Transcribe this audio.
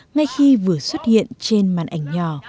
ngay khi vừa xuất hiện trên màn ảnh nhỏ